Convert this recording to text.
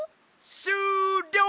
しゅうりょう！